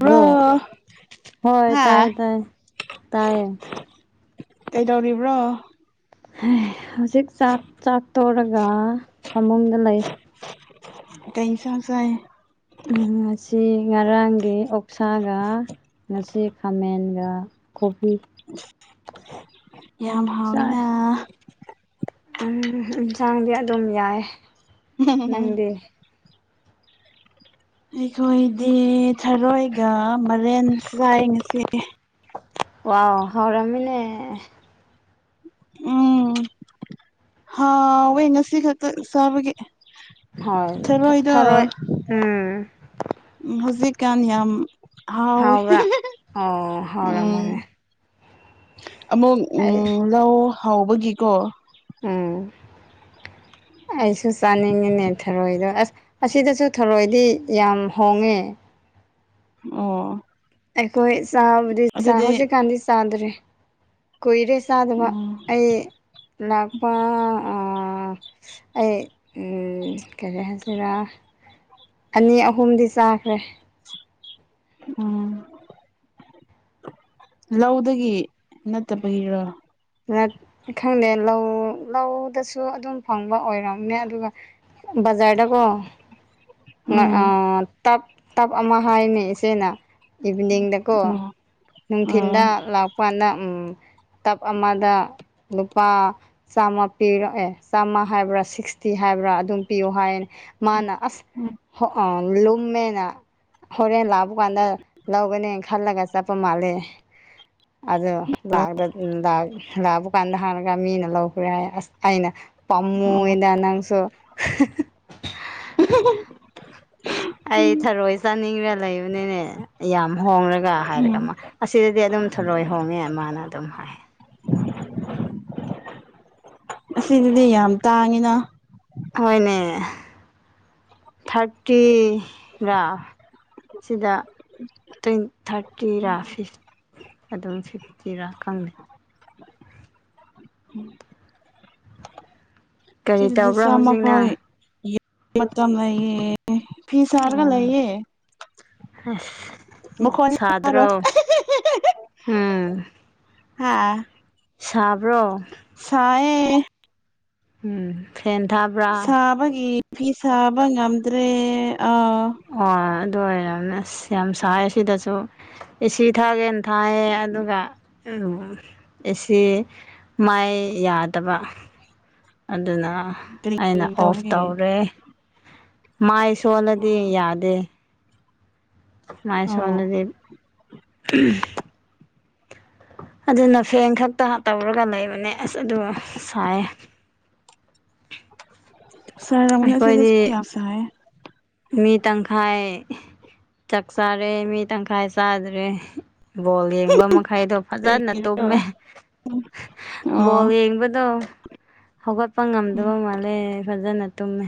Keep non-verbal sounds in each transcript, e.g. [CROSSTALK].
Bro [INAUDIBLE] ꯍꯣꯏ ꯍꯥ ꯇꯥꯏꯌꯦ ꯇꯥꯏꯌꯦ ꯇꯥꯏꯌꯦ꯫ ꯀꯩꯗꯧꯔꯤꯕ꯭ꯔꯣ꯫ [UNINTELLIGIBLE] ꯍꯧꯖꯤꯛ ꯆꯥꯛ ꯆꯥꯛ ꯇꫭꯔꯒ ꯐꯃꯨꯡꯗ ꯂꯩ꯫ ꯀꯩ ꯏꯟꯁꯥꯡ ꯆꯥꯏ꯫ ꯎꯝ ꯉꯁꯤ ꯉꯔꯥꯡꯒꯤ ꯑꯣꯛꯁꯥꯒ ꯉꯁꯤ ꯈꯥꯃꯦꯟꯒ ꯀꯣꯕꯤ꯫ ꯌꯥꯝ ꯆꯥꯏ ꯍꯥꯎꯏꯅꯥ꯫ ꯎꯝ ꯏꯟꯁꯥꯡꯗꯤ ꯑꯗꯨꯝ ꯌꯥꯏ ꯅꯪꯗꯤ꯫ ꯑꯩꯈꯣꯏꯗꯤ ꯊꯔꯣꯏꯒ ꯃꯔꯦꯟ ꯆꯥꯏ ꯉꯁꯤ꯫ ꯋꯥꯎ ꯍꯥꯎꯔꯝꯃꯅꯦ꯫ ꯎꯝ ꯍꯥꯎꯋꯦ ꯉꯁꯤꯈꯛꯇ ꯆꯥꯕꯒꯤ꯫ ꯍꯣꯏ ꯊꯔꯣꯏꯗꯣ ꯊꯔꯣꯏ ꯎꯝ꯫ ꯍꯧꯖꯤꯛꯀꯥꯟ ꯌꯥꯝ ꯍꯥꯎꯏ ꯍꯥꯎꯕ꯭ꯔꯥ [UNINTELLIGIBLE] ꯑꯣ ꯎꯝ꯫ ꯍꯥꯎꯔꯝꯒꯅꯤ ꯑꯃꯨꯛ ꯑꯩ ꯎꯝ ꯂꯧ ꯍꯧꯕꯒꯤꯀꯣ ꯎꯝ ꯑꯩꯁꯨ ꯆꯥꯅꯤꯡꯉꯤꯅꯦ ꯊꯔꯣꯏꯗꯣ ꯑꯁ ꯑꯁꯤꯗꯁꯨ ꯊꯔꫭꯏꯗꯤ ꯌꯥꯝ ꯍꯣꯡꯉꯦ꯫ ꯑꯣ꯫ ꯑꯩꯈꯣꯏ ꯆꯥꯕꯗꯤ ꯆꯥ ꯑꯗꯨꯗꯤ ꯍꯧꯖꯤꯛꯀꯥꯟꯗꯤ ꯆꯥꯗ꯭ꯔꯦ ꯀꯨꯏꯔꯦ ꯆꯥꯗꯕ ꯎꯝ ꯑꯩ ꯂꯥꯛꯄꯥ ꯑꯥ ꯑꯩ ꯀꯔꯤ ꯍꯥꯏꯁꯤꯔꯥ ꯑꯅꯤ ꯑꯍꯨꯝꯗꯤ ꯆꯥꯈ꯭ꯔꯦ꯫ ꯎꯝ ꯂꯧꯗꯒꯤ ꯅꯠꯇꯕꯒꯤꯔꯣ꯫ ꯈꯪꯗꯦ ꯂꯧ ꯂꯧꯗꯁꯨ ꯑꯗꯨꯝ ꯐꯪꯕ ꯑꯣꯏꯔꯝꯅꯦ ꯑꯗꯨꯒ ꯕꯖꯥꯔꯗ ꯀꯣ ꯉ ꯑ ꯎꯝ ꯇꯞ ꯇꯞ ꯑꯃ ꯍꯥꯏꯅꯦ ꯏꯆꯦꯅ ꯏꯚꯤꯅꯤꯡꯗꯀꯣ꯫ ꯑꯣ ꯑꯣ ꯅꯨꯡꯊꯤꯟꯗ ꯂꯥꯛꯄꯉꯥꯟꯗ ꯎꯝ ꯇꯞ ꯑꯃꯗ ꯂꯨꯄꯥ ꯆꯥꯝꯃ ꯄꯤꯔꯛ ꯑꯦ ꯆꯥꯝꯃ ꯍꯥꯏꯕ꯭ꯔꯥ ꯁꯤꯛꯁꯇꯤ ꯍꯥꯏꯕ꯭ꯔꯥ ꯑꯗꯨꯝ ꯄꯤꯌꯨ ꯍꯥꯏ ꯃꯥꯅ ꯑꯁ ꯎꯝ ꯍꫭ ꯑ ꯂꯨꯝꯃꯦꯅꯥ ꯍꯣꯔꯦꯟ ꯂꯥꯛꯄ ꯀꯥꯟꯗ ꯂꯧꯒꯅꯦ ꯈꯜꯂꯒ ꯆꯠꯄ ꯃꯥꯜꯂꯦ꯫ ꯑꯗꫭ ꯂꯥꯛꯔ ꯎꯟ ꯂꯥꯛ ꯂꯥꯛꯄ ꯀꯥꯟꯗ ꯍꯥꯡꯔꯒ ꯃꯤꯅ ꯂꯧꯈ꯭ꯔꯦ ꯍꯥꯏ ꯑꯁ ꯑꯩꯅ ꯑꯣ ꯄꯝꯃꯨꯑꯦꯗ ꯅꯪꯁꯨ [UNINTELLIGIBLE] [UNINTELLIGIBLE] ꯑꯩ ꯊꯔꯣꯏ ꯆꯥꯅꯤꯡꯔ ꯂꯩꯕꯅꯤꯅꯦ ꯌꯥꯝ ꯍꯣꯡꯔ ꯒ ꯍꯥꯏꯔꯒ ꯎꯝ ꯑꯃ ꯑꯁꯤꯗꯗꯤ ꯑꯗꯨꯝ ꯊꯨꯔꯣꯏ ꯍꯣꯡꯉꯦ ꯃꯥꯅ ꯑꯗꯨꯝ ꯍꯥꯏ꯫ ꯑꯁꯤꯗꯨꯗꯤ ꯌꯥꯝ ꯇꯥꯡꯉꯤꯗ꯫ ꯍꫭꯏꯅꯦ ꯊꯥꯔꯇꯤꯔ꯫ ꯁꯤꯗ ꯇ꯭ꯋꯤꯟ ꯊꯥꯔꯇꯤꯔꯥ ꯐꯤꯐ ꯑꯗꯨꯝ ꯐꯤꯞꯇꯤꯔꯥ ꯈꯪꯗꯦ꯫ ꯀꯔꯤ ꯁꯤꯗꯗꯤ ꯇꯧꯕ꯭ꯔꯥ ꯆꯃ ꯍꯧꯖꯤꯛꯅ ꯈꯣꯏ ꯌꯦꯡ ꯃꯇꯝ ꯂꯩꯏꯌꯦ꯫ ꯐꯤ ꯁꯥꯔꯒ ꯂꯩꯌꯦ꯫ ꯑꯁ ꯃꯈꯣꯟ ꯇꯥꯔꯣꯏ꯫ ꯁꯥꯗ꯭ꯔꯣ [UNINTELLIGIBLE] ꯎꯝ ꯍꯥꯥ꯫ ꯁꯥꯕ꯭ꯔꯣ꯫ ꯁꯥꯑꯦ꯫ ꯎꯝ ꯐꯦꯟ ꯊꯕ꯭ꯔ ꯁꯥꯕꯒꯤ ꯐꯤ ꯁꯥꯕ ꯉꯝꯗ꯭ꯔꯦ ꯑꯥ꯫ ꯑꯣ ꯑꯗꯨ ꯑꯣꯏꯔꯅ ꯑꯁ ꯌꯥꯝ ꯁꯥꯏ ꯁꯤꯗꯁꯨ ꯑꯦꯁꯤ ꯊꯥꯒꯦꯅ ꯊꯥꯏꯌꯦ ꯑꯗꯨꯒ ꯑꯦꯁꯤ ꯃꯥꯏ ꯌꯥꯗꯕ ꯑꯗꯨꯅ ꯀꯔꯤ ꯑꯩꯅ ꯑꯣꯐ ꯇꯧꯕꯒꯤ ꯇꯧꯔꯦ꯫ ꯃꯥꯏ ꯁꯣꯜꯂꯗꯤ ꯌꯥꯗꯦ꯫ ꯑꯣ ꯃꯥꯥꯏꯁꯣꯜꯂꯗꯤ꯫ ꯑꯗꯨꯅ ꯐꯦꯟ ꯈꯛꯇ ꯇꯧꯔꯒ ꯂꯩꯕꯅꯦ ꯑꯁ ꯑꯗꯨ ꯁꯥꯏꯌꯦ꯫ ꯁꯥꯔꯝꯒꯅꯤ ꯁꯤꯗꯁꯨ ꯑꯩꯈꯣꯏꯗꯤ ꯌꯥꯝ ꯁꯥꯏꯌꯦ꯫ ꯃꯤ ꯇꯪꯈꯥꯏ꯫ ꯆꯥꯛ ꯆꯥꯔꯦ ꯃꯤ ꯇꯪꯈꯥꯏ ꯆꯥꯗ꯭ꯔꯦ ꯕꯣꯜ ꯌꯦꯡꯕ ꯃꯈꯩꯗꯣ꯫ ꯐꯖꯥꯅ ꯑꯣ ꯇꯨꯝꯃꯦ꯫ ꯕꯣꯜ ꯌꯦꯡꯕꯗꯣ ꯍꯧꯒꯠꯄ ꯎꯝ ꯉꯝꯗꯕ ꯃꯥꯜꯂꯦ꯫ ꯐꯖꯅ ꯇꯨꯝꯃꯦ꯫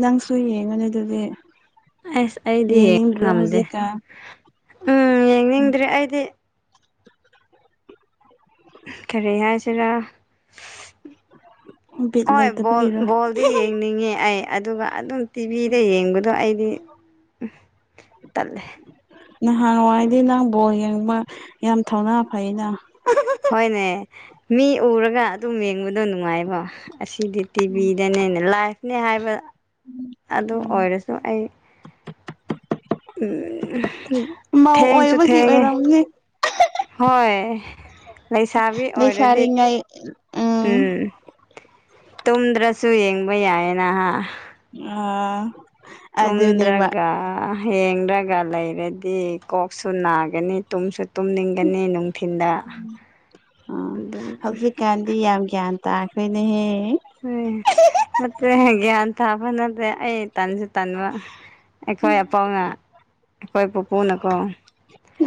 ꯅꯪꯁꯨ ꯌꯦꯡꯉꯅꯤ ꯑꯗꯨꯗꯤ꯫ ꯑꯁ ꯑꯩꯗꯤ ꯌꯦꯡꯕ ꯌꯦꯡꯅꯤꯡꯗ꯭ꯔꯣ ꯉꯝꯗꯦ ꯍꯧꯖꯤꯛꯀꯥꯟ ꯎꯝ ꯌꯦꯡꯅꯤꯡꯗ꯭ꯔꯦ ꯑꯩꯗꯤ꯫ ꯀꯔꯤ ꯍꯥꯏꯁꯤꯔꯥ ꯎꯝ ꯕꯤꯠ ꯍꯣꯏ ꯕꯣꯜ ꯂꯩꯇꯕꯒꯤꯔꯣ ꯕꯣꯜ꯫ ꯌꯦꯡꯗꯤ ꯌꯦꯡꯅꯤꯡꯉꯦ ꯑꯩ ꯑꯗꯨꯒ ꯑꯗꯨꯝ ꯇꯤꯚꯤꯗ ꯌꯦꯡꯕꯗꯣ ꯑꯩꯗꯤ ꯇꯜꯂꯦ꯫ ꯅꯍꯥꯟꯋꯥꯏꯗꯤ ꯅꯪ ꯕꯣꯜ ꯌꯦꯡꯕ ꯌꯥꯝ ꯊꯧꯅꯥ ꯐꯩꯩꯅ꯫ ꯍꯣꯏꯅꯦ ꯃꯤ ꯎꯔꯒ ꯑꯗꯨꯝ ꯌꯦꯡꯕꯗꯣ ꯅꯨꯡꯉꯥꯏꯕ ꯑꯁꯤꯗꯤ ꯇꯤꯕꯤꯗꯅꯦꯅ ꯂꯥꯏꯐꯅꯦ ꯍꯥꯏꯕ ꯑꯗꯨ ꯎꯝ ꯑꯣꯏꯔꯁꯨ ꯑꯩ ꯎꯝ ꯃꯧ ꯊꯦꯡꯁꯨ ꯑꯣꯏꯕꯒꯤ ꯊꯦꯡꯉꯦ꯫ ꯑꯣꯏꯔꯝꯅꯤ ꯍꯣꯏ ꯂꯩꯁꯥꯕꯤ ꯑꯣꯏꯔꯗꯤ ꯂꯩꯁꯥꯔꯤꯉꯩ ꯎꯝ ꯇꯨꯝꯗ꯭ꯔꯁꯨ ꯌꯦꯡꯕ ꯌꯥꯏꯌꯦꯅ ꯍꯥ꯫ ꯑ ꯑꯗꯨꯅꯦꯕ ꯇꯨꯝꯗ꯭ꯔꯒ ꯍꯦꯜꯂꯒ ꯂꯩꯔꯗꯤ ꯀꯣꯛꯁꯨ ꯅꯥꯒꯅꯤ ꯇꯨꯝꯁꯨ ꯇꯨꯝꯅꯤꯡꯒꯅꯤ ꯅꯨꯡꯊꯤꯟꯗ ꯑꯗꯨꯟ ꯗꯤ ꯌꯥꯝ ꯒ꯭ꯌꯥꯟ ꯇꯥꯈ꯭ꯔꯦꯅꯦꯍꯦ꯫ ꯎꯝ ꯅꯠꯇꯦꯍꯦ ꯒꯌꯥꯟ ꯇꯥꯕ ꯅꯠꯇꯦ ꯑꯩ ꯇꯟꯖꯨ ꯇꯟꯕ ꯑꯩꯈꯣꯏ ꯑꯄꯥꯎꯅ ꯑꯩꯈꯣꯏ ꯄꯨꯄꯨꯅꯀꯣ꯫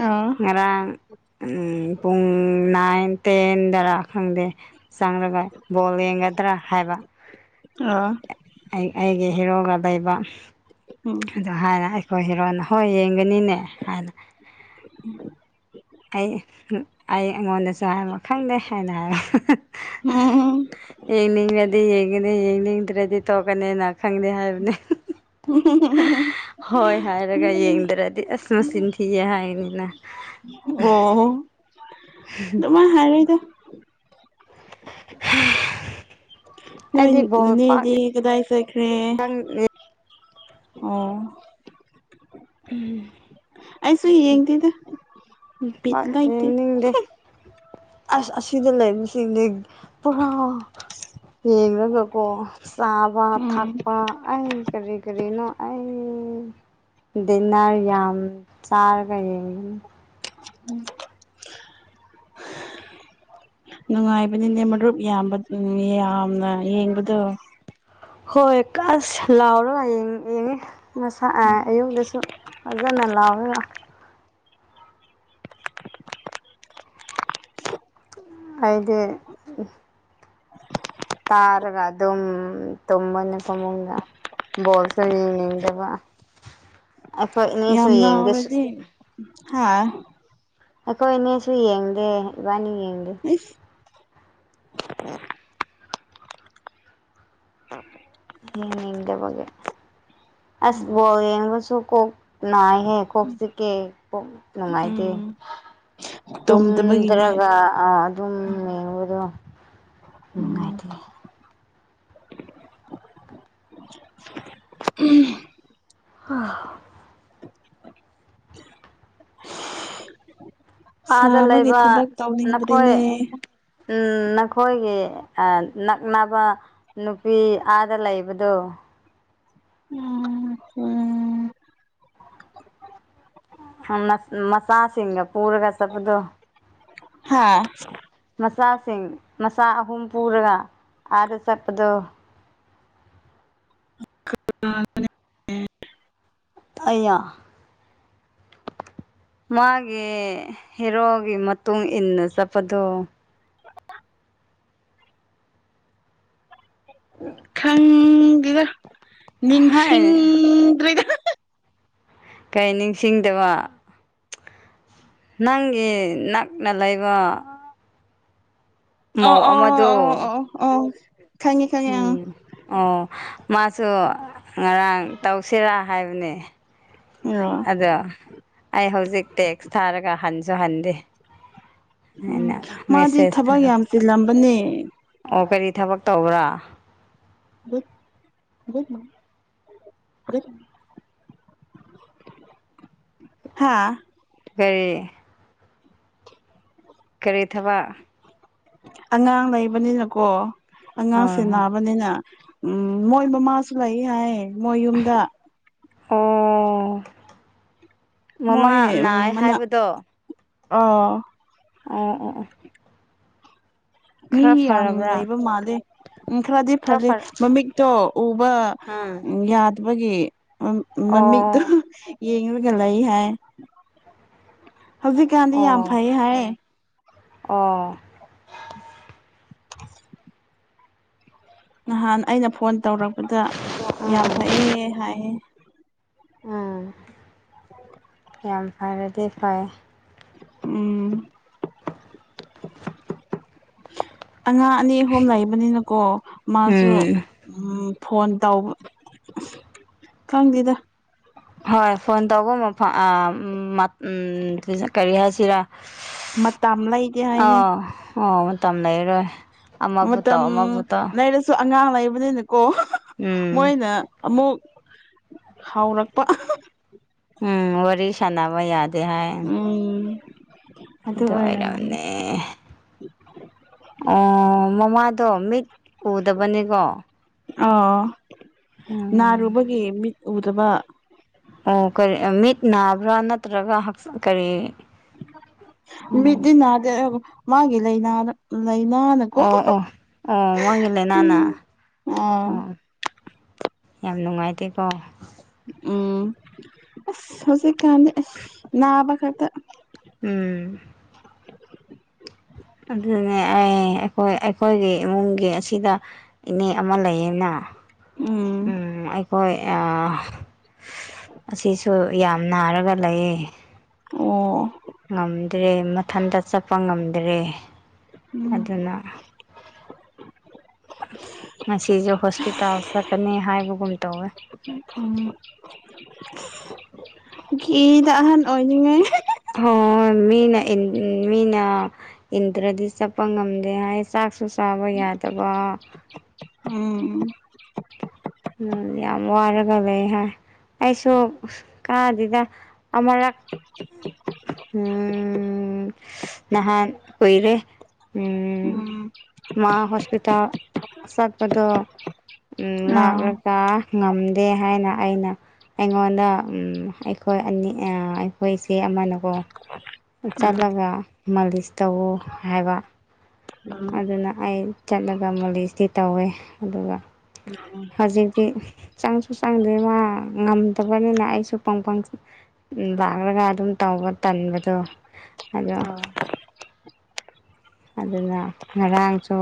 ꯑ ꯉꯔꯥꯡ ꯎꯝ ꯄꯨꯡ ꯅꯥꯏꯟ ꯇꯦꯟꯗꯔꯥ ꯈꯪꯗꯦ꯫ ꯆꯪꯂꯒ ꯕꯣꯜ ꯌꯦꯒꯗ꯭ꯔ ꯍꯥꯏꯕ ꯑ ꯑꯩ ꯑꯩꯒꯤ ꯍꯤꯔꯣꯒ ꯂꯩꯕ꯫ ꯎꯝ꯫ ꯑꯗꯨꯗ ꯍꯥꯏꯔ ꯑꯩꯈꯣꯏ ꯍꯤꯔꯣꯅ ꯍꯣꯏ ꯌꯦꯡꯒꯅꯤꯅꯦ ꯍꯥꯏꯅ꯫ [UNINTELLIGIBLE] ꯑꯩ ꯑꯩ ꯑꯩꯉꯣꯟꯗꯁꯨ ꯍꯥꯏꯕ ꯈꯪꯗꯦ ꯍꯥꯏꯅ ꯍꯥꯏ꯫ ꯎꯝ ꯌꯦꯡꯅꯤꯡꯉꯗꯤ ꯌꯦꯡꯒꯅꯦ ꯌꯦꯡ ꯅꯤꯡꯗ꯭ꯔꯗꯤ ꯇꯣꯛꯀꯅꯤꯅ꯫ ꯈꯪꯗꯦ ꯍꯥꯏꯕꯅꯤ꯫ ꯍꯣꯏ ꯍꯥꯏꯔꯒ ꯌꯦꯡꯗ꯭ꯔꯗꯤ ꯑꯁ ꯃꯆꯤꯟ ꯊꯤꯌꯦ ꯍꯥꯏꯅꯤꯅ꯫ ꯑꯣ꯫ [UNINTELLIGIBLE] ꯃꯥ ꯍꯥꯏꯅꯤꯗ [UNINTELLIGIBLE] ꯅꯣꯏ ꯑꯩꯗꯤ ꯕꯣꯜ ꯄꯥꯛ ꯅꯅꯦꯗꯤ ꯀꯗꯥꯏ ꯆꯠꯈ꯭ꯔꯦ ꯑꯣ ꯎꯝ ꯑꯩꯁꯨ ꯌꯦꯡꯗꯦꯗ ꯕꯤꯠ ꯄꯥꯛ ꯂꯩꯇꯦ ꯌꯦꯡꯅꯤꯡꯗꯦ ꯑꯁ ꯑꯁꯤꯗ ꯂꯩꯕꯁꯤꯡꯗꯤ ꯄꯨꯔꯥ ꯌꯦꯡꯉꯒ ꯀꯣ ꯆꯥꯕ ꯎꯝ ꯊꯛꯄ ꯑꯩ ꯀꯔꯤ ꯀꯔꯤꯅꯣ ꯑꯩ ꯗꯤꯟꯅꯔ ꯌꯥꯝ ꯆꯥꯔꯦ [UNINTELLIGIBLE] [UNINTELLIGIBLE] ꯅꯨꯡꯉꯥꯏꯕꯅꯤꯅꯦ ꯃꯔꯨꯞ ꯌꯥꯝꯕ ꯌꯥꯝꯅ ꯌꯦꯡꯕꯗꯣ ꯍꯣꯏ ꯀꯁ ꯂꯥꯎꯔꯒ ꯌꯦꯡꯉꯤ ꯉꯁꯥꯢ ꯑꯌꯨꯛꯇꯁꯨ ꯐꯖꯅ ꯂꯥꯎꯔꯒ ꯅꯨꯉꯥꯢꯇꯦ ꯊꯔꯒ ꯑꯗꯨꯝ ꯇꯨꯝꯃꯅꯤ ꯐꯃꯨꯡꯗ ꯕꯣꯜꯁꯨ ꯌꯦꯡꯅꯤꯡꯗꯕ [UNINTELLIGIBLE] ꯑꯅꯤꯁꯨ ꯌꯥꯝ ꯌꯦꯡꯗꯦ ꯂꯥꯎꯔꯗꯤ ꯍꯥꯥ ꯑꯩꯈꯣꯏ ꯑꯅꯤꯁꯨ ꯌꯦꯡꯗꯦ ꯏꯕꯥꯅꯤ ꯌꯦꯡꯗꯦ ꯢꯁ [UNINTELLIGIBLE] ꯌꯦꯡꯅꯤꯡꯗꯕꯒꯤ ꯑꯁ ꯕꯣꯜ ꯌꯦꯡꯉꯁꯨ ꯀꯣꯛ ꯅꯥꯢꯍꯦ ꯀꯣꯛ ꯆꯤꯛꯌꯦ ꯀꯣꯛ ꯅꯨꯡꯉꯥꯏꯇꯦ ꯎꯝ ꯇꯨꯝꯗꯕꯒꯤꯅꯦ ꯇꯨꯝꯗ꯭ꯔꯒ ꯑ ꯑꯗꯨꯝ ꯌꯦꯡꯕꯗꯣ ꯎꯝ ꯅꯨꯡꯉꯥꯏꯇꯦ ꯍꯥ [INAUDIBLE] ꯑꯥꯗ ꯁꯥꯕꯒꯤ ꯂꯩꯕ ꯊꯕꯛ ꯅꯈꯣꯏ ꯇꯧꯅꯤꯡꯗ꯭ꯔꯦꯅꯦ ꯏꯝ ꯅꯈꯣꯏꯒꯤ ꯑ ꯅꯛꯅꯕ ꯅꯨꯄꯤ ꯑꯥꯗ ꯂꯩꯕꯗꯣ ꯎꯝ [INAUDIBLE] ꯃꯆꯥꯁꯤꯡꯒ ꯄꯣꯔꯒ ꯆꯠꯄꯗꯣ ꯍꯥꯥ ꯃꯆꯥꯁꯤꯡ ꯃꯆꯥ ꯑꯍꯨꯝ ꯄꯨꯔꯒ ꯑꯥꯗ ꯆꯠꯄꯗꯣ [INAUDIBLE] ꯑꯩꯌꯥ ꯃꯥꯒꯤ ꯍꯦꯔꯣꯒꯤ ꯃꯇꯨꯡ ꯏꯟꯅ ꯆꯠꯄꯗꯣ [UNINTELLIGIBLE] ꯈꯪꯗꯦꯗ ꯍꯥꯏ ꯅꯤꯡꯁꯤꯡꯗ꯭ꯔꯤꯗ ꯀꯩ ꯅꯤꯡꯁꯤꯡꯗꯕ ꯅꯪꯒꯤ ꯅꯛꯅ ꯂꯩꯕ ꯑꯣ ꯃꯧ ꯑꯣ ꯑꯣ ꯑꯃꯗꯣ ꯑꯣ ꯑꯣ ꯈꯪꯉꯦ ꯈꯪꯉꯦ ꯑꯪ ꯎꯝ ꯑꯣ ꯃꯥꯁꯨ ꯉꯔꯥꯡ ꯇꯧꯁꯤꯔꯥ ꯍꯥꯏꯕꯅꯦ ꯔꯣ ꯑꯗꯣ ꯑꯩ ꯍꯧꯖꯤꯛ ꯇꯦꯛꯁ ꯊꯥꯔꯒ ꯍꯟꯁꯨ ꯍꯟꯗꯦ ꯎꯝ ꯑꯩꯅ ꯃꯥꯗꯤ ꯃꯦꯁꯦꯖ ꯊꯕꯛ ꯌꯥꯝ ꯊꯥꯔꯒ ꯆꯤꯜꯂꯝꯕꯅꯦ ꯑꯣ ꯀꯔꯤ ꯊꯕꯛ ꯇꯧꯕ꯭ꯔꯥ [UNINTELLIGIBLE] ꯍꯥꯥ ꯀꯔꯤ ꯀꯔꯤ ꯊꯕꯛ ꯑꯉꯥꯡ ꯂꯩꯕꯅꯤꯅꯀꯣ ꯑꯉꯥꯡ ꯍꯣꯏ ꯍꯣꯏ ꯁꯦꯟꯅꯥꯕꯅꯤꯅ ꯎꯝ ꯃꯣꯏ ꯃꯃꯥꯁꯨ ꯂꯩ ꯍꯥꯏ ꯃꯣꯏ ꯌꯨꯝꯗ ꯑꯣ ꯃꯃꯥ ꯅꯥꯏ ꯍꯥꯏꯕꯗꯣ ꯑꯧ ꯑꯣ ꯑꯣ ꯑꯣ ꯃꯤ ꯈꯔ ꯌꯥꯝ ꯐꯔꯕ꯭ꯔꯥ ꯂꯩꯕ ꯃꯥꯂꯦ ꯎ ꯈꯔꯗꯤ ꯈꯔ ꯐꯜꯂꯤ ꯐꯔ ꯃꯃꯤꯛꯇꯣ ꯎꯕ ꯑꯥ ꯎ ꯌꯥꯗꯕꯒꯤ ꯑꯣ ꯃꯃꯤꯠꯇꫭ ꯌꯦꯡꯉꯒ ꯂꯩ ꯍꯥꯏ ꯍꯧꯖꯤꯛꯀꯥꯟꯗꯤ ꯌꯥꯝ ꯑꯣ ꯐꯩ ꯍꯥꯏ ꯑꯣ ꯅꯍꯥꯟ ꯑꯩꯅ ꯐꯣꯟ ꯇꯧꯔꯛꯄꯗ ꯌꯥꯝ ꯎꯝ ꯐꯩꯌꯦ ꯍꯥꯏꯌꯦ ꯎꯝ ꯌꯥꯝ ꯐꯔꯗꯤ ꯐꯩ ꯎꯝ ꯑꯉꯥꯡ ꯑꯅꯤ ꯑꯍꯨꯝ ꯂꯩꯕꯅꯤꯅꯀꯣ ꯃꯥꯁꯨ ꯎꯝ ꯎꯝ ꯐꯣꯟ ꯇꯧꯕ ꯈꯪꯗꯦꯗ ꯍꯣꯏ ꯐꯣꯟ ꯇꯧꯕ ꯃꯐꯝ ꯑꯥ ꯎꯝ ꯃꯥ ꯎꯝ ꯇꯤꯟꯁꯟ ꯀ꯭ꯔꯤ ꯍꯥꯏꯁꯤꯔꯥ ꯃꯇꯝ ꯂꯩꯇꯦ ꯍꯥꯏꯅꯩ ꯑꯥꯎ ꯑꯣ ꯃꯇꯝ ꯂꯩꯔꯔꯣꯏ ꯃꯇꯝ ꯂꯩꯔꯁꯨ ꯑꯉꯥꯡ ꯂꯩꯕꯅꯤꯅꯀꯣ ꯎꯝ ꯃꯣꯏꯅ ꯑꯃꯨꯛ ꯍꯥꯎꯔꯛꯄ ꯎꯝ ꯋꯥꯔꯤ ꯁꯥꯟꯅꯕ ꯌꯥꯗꯦ ꯍꯥꯏ ꯎꯝ [INAUDIBLE] ꯑꯗꯨ ꯑꯣꯏꯔꯝꯅꯤ ꯑꯣꯏꯔꯝꯅꯦ ꯑꯣ ꯃꯃꯥꯗꯣ ꯃꯤꯠ ꯎꯗꯕꯅꯤꯀꯣ ꯑꯣ ꯎꯝ ꯅꯥꯔꯨꯕꯒꯤ ꯃꯤꯠ ꯎꯗꯕ ꯑꯣ ꯀ꯭ꯔꯤ ꯃꯤꯠ ꯅꯥꯕ꯭ꯔꯥ ꯅꯠꯇ꯭ꯔꯒ ꯍꯛꯆꯥꯡ ꯀꯔꯤ ꯎꯝ ꯃꯤꯠꯗꯤ ꯅꯥꯗꯦ ꯃꯥꯒꯤ ꯂꯩꯅꯥꯅ ꯂꯩꯥꯏꯅꯥꯅ ꯑꯣ ꯑꯣ ꯑꯣ ꯃꯥꯒꯤ ꯂꯩꯅꯥꯅꯥ ꯎꯝ ꯑꯥ ꯑꯣ ꯌꯥꯝ ꯅꯨꯡꯉꯥꯏꯇꯦꯀꯣ ꯎꯝ ꯑꯁ ꯍꯧꯖꯤꯛ ꯀꯥꯟꯗꯤ ꯑꯍ ꯅꯥꯕꯈꯛꯇ ꯎꯝ ꯑꯗꯨꯅꯅꯦ ꯑꯩ ꯑꯩꯈꫭꯏ ꯑꯩꯈꯣꯏꯒꯤ ꯏꯃꯨꯡꯒꯤ ꯑꯁꯤꯗ ꯏꯅꯦ ꯑꯃ ꯂꯩꯌꯦꯅ ꯎꯝ ꯑꯩꯈꯣꯏ ꯑꯥ ꯑꯁꯤꯁꯨ ꯌꯥꯝ ꯅꯥꯔꯒ ꯂꯩꯌꯦ ꯑꯣ ꯉꯝꯗ꯭ꯔꯦ ꯃꯊꯟꯇ ꯆꯠꯄ ꯉꯝꯗ꯭ꯔꯦ ꯎꯝ ꯑꯗꯨꯅ ꯉꯁꯤꯁꯨ ꯍꯣꯁꯄꯤꯇꯥꯜ ꯆꯠꯀꯅꯤ ꯍꯥꯏꯕꯒꯨꯝ ꯇꯧꯋꯦ ꯎꯝ ꯀꯤꯗ ꯑꯍꯟ ꯑꯣꯏꯅꯉꯩ ꯍꫭ ꯍꫭ ꯍꫭꯏ ꯃꯤꯅ ꯏꯟ ꯏꯟ ꯃꯤꯅ ꯏꯟꯗ꯭ꯔꯗꯤ ꯆꯠꯄ ꯉꯝꯗꯦ ꯍꯥꯏ ꯆꯥꯛꯁꯨ ꯆꯥꯕ ꯌꯥꯗꯕ ꯎꯝ ꯎꯝ ꯌꯥꯝ ꯋꯥꯔꯒ ꯂꯩ ꯍꯥꯏ ꯑꯩꯁꯨ ꯎꯁ ꯀꯥꯗꯦꯗꯥ ꯑꯃꯔꯛ ꯎꯝ ꯅꯍꯥꯟ ꯀꯣꯏꯔꯦ ꯎꯝ ꯃꯥ ꯍꯣꯁꯄꯤꯇꯥꯜ ꯆꯠꯄꯗꫭ ꯎꯝ ꯂꯥꯛ ꯑꯥ ꯇꯥ ꯉꯝꯗꯦ ꯍꯥꯏꯅ ꯑꯩꯅ ꯑꯩꯉꯣꯟꯗ ꯎꯝ ꯑꯩꯈꯣꯏ ꯑꯅꯤ ꯑꯥ ꯑꯩꯈꯣꯏ ꯆꯦ ꯑꯃꯅꯀꯣ ꯆꯠꯂꯒ ꯃꯥꯂꯤꯁ ꯇꯧꯋꫭ ꯍꯥꯏꯕ ꯎꯝ ꯑꯗꯨꯅ ꯑꯩ ꯆꯠꯂꯒ ꯃꯥꯂꯤꯁꯇꯤ ꯇꯧꯋꯦ ꯑꯗꯨꯒ ꯎꯝ ꯎꯝ [UNINTELLIGIBLE] ꯍꯧꯖꯤꯛꯇꯤ ꯆꯪꯁꯨ ꯆꯪꯗꯦ ꯃꯥ ꯉꯝꯗꯕꯅꯤꯅ ꯑꯩꯁꯨ ꯄꯪ ꯄꯪ ꯎꯝ ꯂꯥꯛꯂꯒ ꯑꯗꯨꯝ ꯇꯧꯕ ꯇꯟꯕꯗꯣ ꯑꯗꯣ ꯑꯗꯨꯅ ꯉꯔꯥꯡꯁꯨ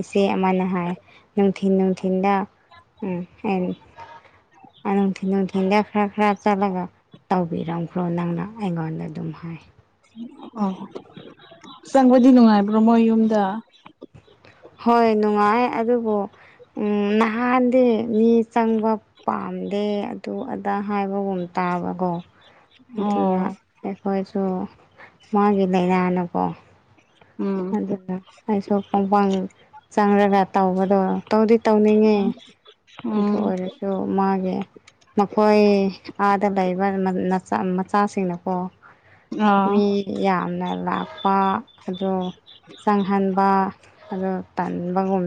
ꯏꯆꯦ ꯑꯃꯅ ꯍꯥꯏ ꯅꯨꯡꯊꯤꯟ ꯅꯨꯡꯊꯤꯟꯗ ꯎꯝ ꯑ ꯅꯨꯡꯊꯤꯟ ꯅꯨꯡꯊꯤꯟꯗ ꯈꯔ ꯈꯔ ꯆꯠꯂꯒ ꯇꯧꯕꯤꯔꯝꯈ꯭ꯔꯣ ꯅꯪꯅ ꯑꯩꯉꯣꯟꯗ ꯑꯗꯨꯝ ꯍꯥꯏ ꯑꯣ ꯆꯪꯕꯗꯤ ꯅꯨꯡꯉꯥꯏꯕ꯭ꯔꯣ ꯃꯣꯏ ꯌꯨꯝꯗ ꯍꯣꯏ ꯅꯨꯡꯉꯥꯏ ꯑꯗꯨꯕꯨ ꯎ ꯅꯍꯥꯟꯗꯤ ꯃꯤ ꯆꯪꯕ ꯄꯥꯝꯗꯦ ꯑꯗꯨ ꯑꯗꯥ ꯍꯥꯏꯕꯒꯨꯝ ꯇꯥꯕꯀꯣ ꯑꯗꯨꯅ ꯑꯣ ꯑꯩꯈꯣꯏꯁꯨ ꯃꯥꯒꯤ ꯂꯥꯏꯅꯥꯅꯀꯣ ꯎꯝ ꯑꯗꯨꯅ ꯑꯩꯁꯨ ꯄꯣꯡꯄꯥꯡ ꯆꯪꯔꯒ ꯇꯧꯕꯗꯣ ꯇꯧꯗꯤ ꯇꯧꯅꯤꯡꯉꯦ ꯑꯗꯨ ꯎꯝ ꯑꯣꯏꯔꯁꯨ ꯃꯥꯒꯤ ꯃꯈꯣꯏ ꯑꯥꯗ ꯂꯩꯕ ꯅ ꯅ ꯃꯆꯥꯁꯤꯡꯅꯀꯣ ꯑꯥ ꯃꯤ ꯌꯥꯝꯅ ꯂꯥꯥꯛꯄ ꯑꯗꯣ ꯆꯪꯍꯟꯕ ꯑ ꯇꯟꯕꯒꯨꯝ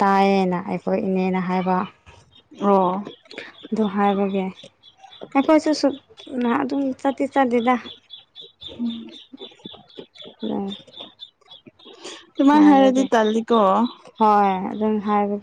ꯇꯥꯏꯌꯦꯅ ꯑꯩꯈꯣꯏ ꯏꯅꯦꯅ ꯍꯥꯏꯕ꯫ ꯑꯣ꯫ ꯑꯗꯨ ꯍꯥꯏꯕꯒꯤ ꯑꯩꯈꯣꯏꯁꯨ ꯁꯨꯠ ꯑꯗꯨꯝ ꯆꯠꯇꯤ ꯆꯥꯠꯇꯦꯗ꯫ ꯑꫭ꯫ ꯇꯨꯃꯥꯏ ꯍꯥꯏꯔꯗꯤ ꯇꯜꯂꯤꯀꯣ꯫ ꯍꯣꯏ ꯑꯗꯨꯝ ꯍꯥꯏꯕꯒꯤ